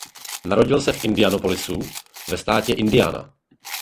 Narodil se v Indianapolisu ve státě Indiana.